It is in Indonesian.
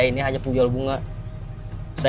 ketika polisiohquisuyah gitu sih mereka cepetr